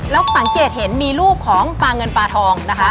แล้วสังเกตเห็นมีรูปของปลาเงินปลาทองนะคะ